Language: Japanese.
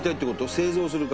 製造する方。